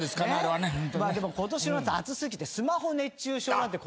でも今年の夏暑すぎてスマホ熱中症なんて言葉も。